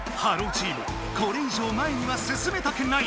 チームこれい上前にはすすめたくない！